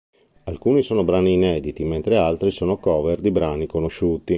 Alcuni sono brani inediti mentre altri sono cover di brani conosciuti.